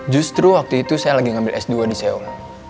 justru waktu itu saya lagi ngambil s dua di seong